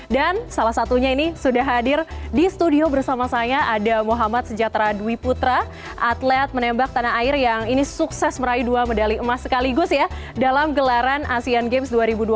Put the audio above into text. dan salah satunya ini sudah hadir di studio bersama saya ada muhammad sejatera dwi putra atlet menembak tanah air yang ini sukses meraih dua medali emas sekaligus ya dalam gelaran asean games dua ribu dua puluh dua